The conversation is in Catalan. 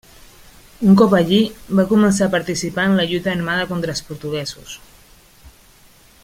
Un cop allí va començar a participar en la lluita armada contra els portuguesos.